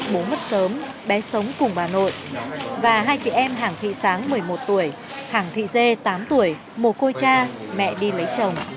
bố mất sớm bé sống cùng bà nội và hai chị em hàng thị sáng một mươi một tuổi hàng thị dê tám tuổi một cô cha mẹ đi lấy chồng